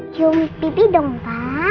cium pipi dong pak